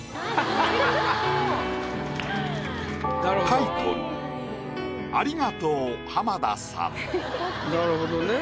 タイトルなるほどね。